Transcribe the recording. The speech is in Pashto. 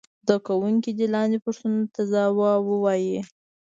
زده کوونکي دې لاندې پوښتنو ته ځواب ووايي.